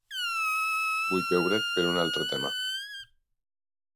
Vull veure't per un altre tema.